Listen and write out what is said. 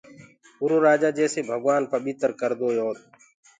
اُرو رآجآ جيسي ڀگوآن پٻيٚتر ڪردوئي اورَ